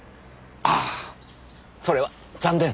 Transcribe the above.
ああそれは残念！